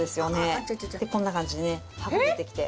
こんな感じでね剥がれてきて。